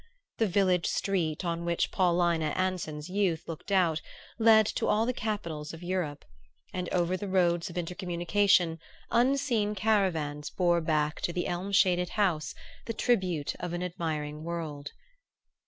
The village street on which Paulina Anson's youth looked out led to all the capitals of Europe; and over the roads of intercommunication unseen caravans bore back to the elm shaded House the tribute of an admiring world.